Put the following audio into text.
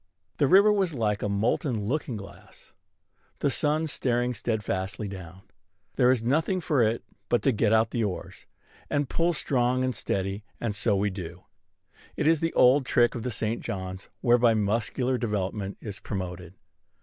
The river was like a molten looking glass, the sun staring steadfastly down. There is nothing for it but to get out the oars, and pull strong and steady; and so we do. It is the old trick of this St. John's, whereby muscular development is promoted.